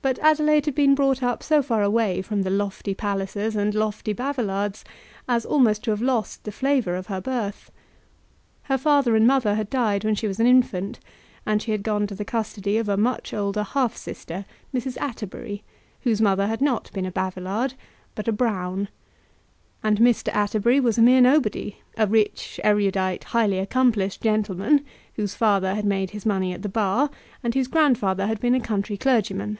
But Adelaide had been brought up so far away from the lofty Pallisers and lofty Bavilards as almost to have lost the flavour of her birth. Her father and mother had died when she was an infant, and she had gone to the custody of a much older half sister, Mrs. Atterbury, whose mother had been not a Bavilard, but a Brown. And Mr. Atterbury was a mere nobody, a rich, erudite, highly accomplished gentleman, whose father had made his money at the bar, and whose grandfather had been a country clergyman.